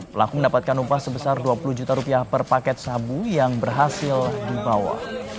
pelaku mendapatkan upah sebesar dua puluh juta rupiah per paket sabu yang berhasil dibawa